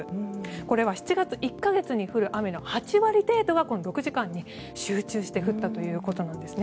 これは７月１か月に降る雨の８割程度が６時間に集中して降ったということなんです。